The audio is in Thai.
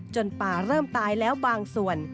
ป่าเริ่มตายแล้วบางส่วน